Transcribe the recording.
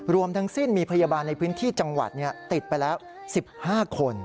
รวมทั้งสิ้นมีพยาบาลในพื้นที่จังหวัดติดไปแล้ว๑๕คน